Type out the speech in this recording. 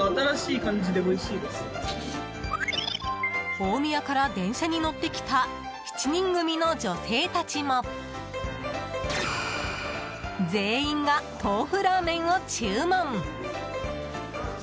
大宮から電車に乗って来た７人組の女性たちも全員が豆腐ラーメンを注文。